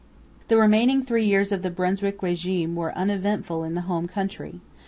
The remaining three years of the Brunswick régime were uneventful in the home country.